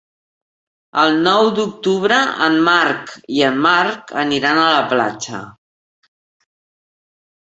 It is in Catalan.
El nou d'octubre en Marc i en Marc aniran a la platja.